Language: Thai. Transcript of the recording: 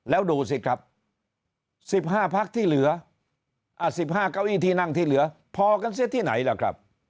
แล้วดูสิครับ๑๕พักที่เหลือ๑๕เก้าอี้ที่นั่งที่เหลือพอกันเสียที่ไหนล่ะครับ